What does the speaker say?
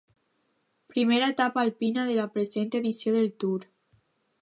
Primera etapa alpina de la present edició del Tour.